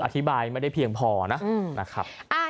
คืออธิบายไม่ได้เพียงพอนะ